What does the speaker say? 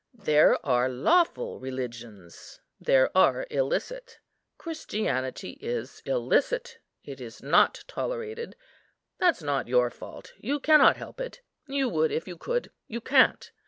There are lawful religions, there are illicit. Christianity is illicit; it is not tolerated; that's not your fault; you cannot help it; you would, if you could; you can't.